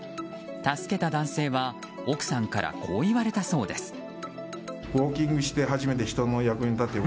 助けた男性は奥さんからこう言われたそうです。